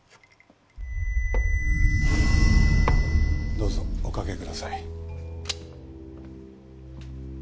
どうぞおかけください。